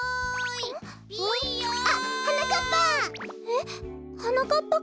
あっはなかっぱ！